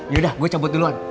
yaudah gue cabut duluan